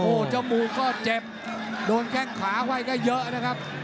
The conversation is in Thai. โอ้โหจมูกก็เจ็บโดนแข้งขาไว้ก็เยอะนะครับ